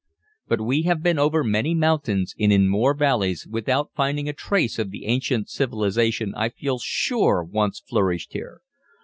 "But we have been over many mountains, and in more valleys, without finding a trace of the ancient civilization I feel sure once flourished here.